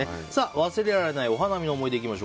忘れられないお花見の思い出いきます。